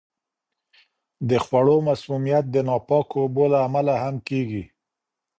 د خوړو مسمومیت د ناپاکو اوبو له امله هم کیږي.